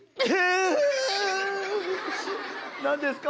何ですか？